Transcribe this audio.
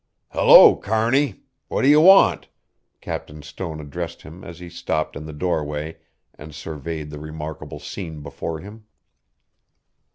"Hello, Kearney! What do you want?" Captain Stone addressed him as he stopped in the doorway and surveyed the remarkable scene before him.